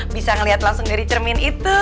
bisa ngelihat langsung dari cermin itu